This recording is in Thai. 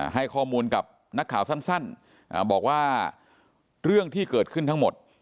ให้ข้อมูลกับนักข่าวสั้นบอกว่าเรื่องที่เกิดขึ้นทั้งหมด